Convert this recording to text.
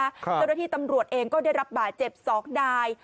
เจ้าหน้าที่ตำรวจเองก็ได้รับบาดเจ็บ๒นาย